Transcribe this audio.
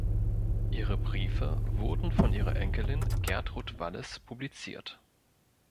Ihre Briefe wurden von ihrer Enkelin Gertrud Wallis publiziert.